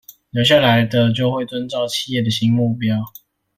留下來的就會遵照企業的新目標